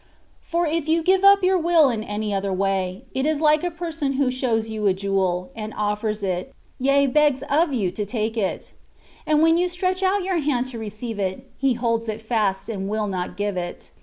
For if yon give up your will in any other way^ it is like a person who shows you a jewel, and offers it, yea begs of you to take it ; and when you stretch out your hand to receive it, he holds it fast and will not give it.